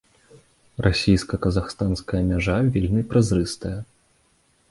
Расійска-казахстанская мяжа вельмі празрыстая.